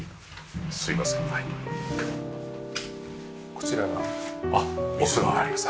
こちらがお風呂になります。